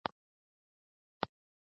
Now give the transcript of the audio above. پروژه تېر کال پیل شوه.